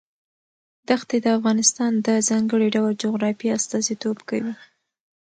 دښتې د افغانستان د ځانګړي ډول جغرافیه استازیتوب کوي.